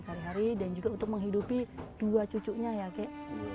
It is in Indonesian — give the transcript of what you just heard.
sehari hari dan juga untuk menghidupi dua cucunya ya kek